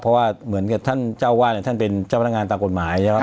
เพราะว่าเหมือนกับท่านเจ้าวาดเนี่ยท่านเป็นเจ้าพนักงานตามกฎหมายใช่ไหม